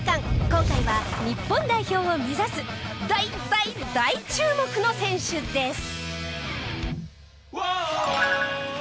今回は日本代表を目指す大大大注目の選手です。